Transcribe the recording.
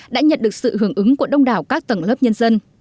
đã nhận được sự hưởng ứng của đông đảo các tầng lớp nhân dân